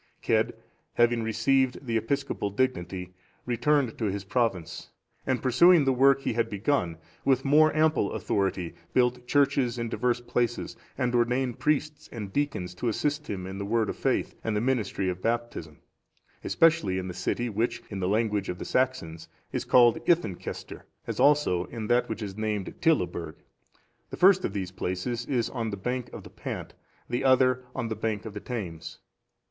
Cedd, having received the episcopal dignity, returned to his province, and pursuing the work he had begun with more ample authority, built churches in divers places, and ordained priests and deacons to assist him in the Word of faith, and the ministry of Baptism,(418) especially in the city which, in the language of the Saxons, is called Ythancaestir,(419) as also in that which is named Tilaburg.(420) The first of these places is on the bank of the Pant, the other on the bank of the Thames.